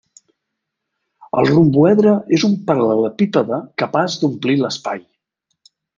El romboedre és un paral·lelepípede capaç d'omplir l'espai.